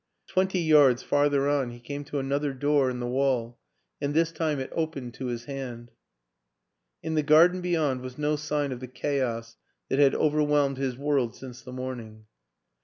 Twenty yards farther on he came to another door in the wall and this time it opened to his hand. In the garden beyond was no sign of the chaos WILLIAM AN ENGLISHMAN 133 that had overwhelmed his world since the morn ing.